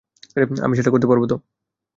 আমি সেটা করতে পারবো?